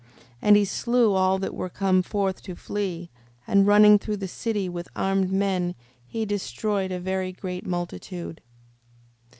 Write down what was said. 5:26. And he slew all that were come forth to flee: and running through the city with armed men, he destroyed a very great multitude.